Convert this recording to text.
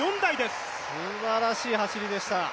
すばらしい走りでした。